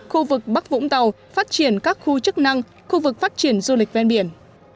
khu vực bắc vũng tàu phát triển các khu chức năng khu vực phát triển du lịch ven biển